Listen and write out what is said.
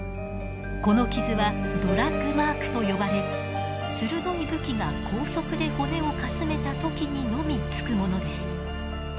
この傷はドラッグマークと呼ばれ鋭い武器が高速で骨をかすめた時にのみつくものです。